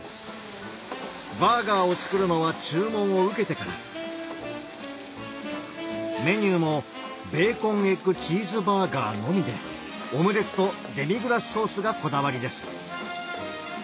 バーガーを作るのは注文を受けてからメニューもベーコンエッグチーズバーガーのみでオムレツとデミグラスソースがこだわりです